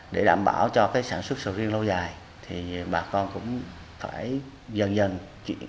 để đảm bảo cho sản xuất sầu riêng lâu dài thì bà con cũng phải dần dần chịu khó khăn